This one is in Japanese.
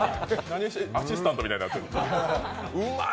アシスタントみたいになってる。